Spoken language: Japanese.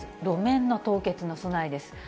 路面の凍結の備えです。